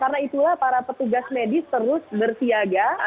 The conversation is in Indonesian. karena itulah para petugas medis terus bersiaga